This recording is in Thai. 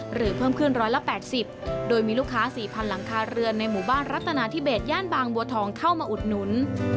เพิ่มขึ้น๑๘๐โดยมีลูกค้า๔๐๐หลังคาเรือนในหมู่บ้านรัฐนาธิเบสย่านบางบัวทองเข้ามาอุดหนุน